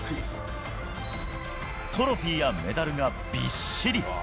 トロフィーやメダルがびっしり。